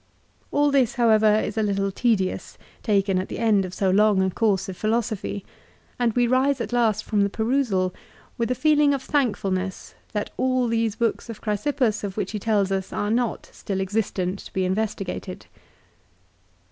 All this however is a little tedious, taken at the end of so long a course of philosophy ; and we rise at last from the perusal with a feeling of thankfulness that all these books of De Diviniatione, lib. ii. ca. li. CICERO'S PHILOSOPHY. 369 Chrysippus of which he tells us, are not still existent to be investigated.